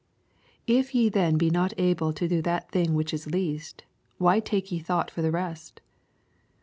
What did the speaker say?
26 If ye then be not able to do that tbing which is least, why take ye thought for the rest